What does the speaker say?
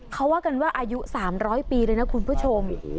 เขาว่ากันว่าอายุ๓๐๐ปีเลยนะคุณผู้ชม